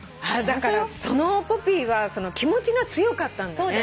だからそのポピーは気持ちが強かったんだね。